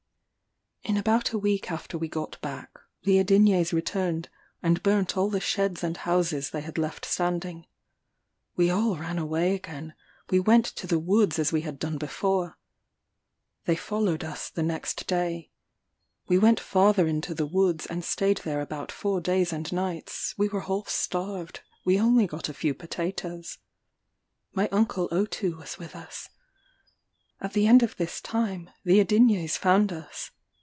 In about a week after we got back, the Adinyés returned, and burnt all the sheds and houses they had left standing. We all ran away again; we went to the woods as we had done before. They followed us the next day. We went farther into the woods, and staid there about four days and nights; we were half starved; we only got a few potatoes. My uncle Otou was with us. At the end of this time, the Adinyés found us.